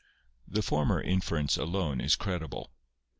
The former inference alone is credible.